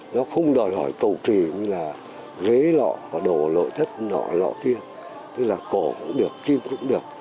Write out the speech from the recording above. nó không đòi hỏi cầu kỳ như là ghế lọ đồ lội thất lọ lọ kia tức là cổ cũng được kim cũng được